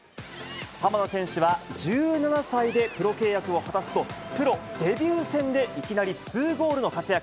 浜野選手は、１７歳でプロ契約を果たすと、プロデビュー戦でいきなりツーゴールの活躍。